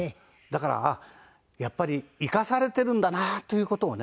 だからやっぱり生かされてるんだなという事をね